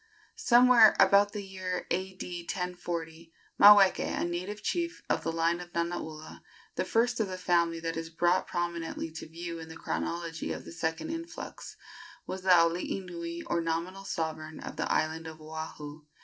Somewhere about the year A.D. 1040 Maweke, a native chief of the line of Nanaula the first of the family that is brought prominently to view in the chronology of the second influx was the alii nui, or nominal sovereign, of the island of Oahu.